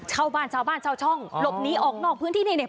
ชาวบ้านชาวบ้านชาวช่องหลบหนีออกนอกพื้นที่นี่เนี่ย